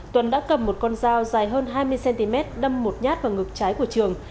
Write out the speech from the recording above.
tuấn đã cầm một con dao dài hơn hai mươi cm đâm một nhát vào ngực trái của trường